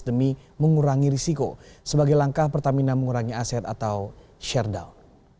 demi mengurangi risiko sebagai langkah pertamina mengurangi aset atau share down